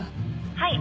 はい。